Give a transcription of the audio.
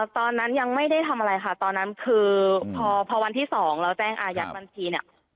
ตอนนั้นยังไม่ได้ทำอะไรค่ะตอนนั้นคือพอวันที่๒แล้วแจ้งอายัดบัญชีเนี่ย